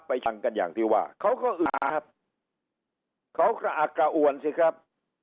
รับไปช่างกันอย่างที่ว่าเค้าก็อื่นหาครับเค้าก็อักกะอวนสิครับ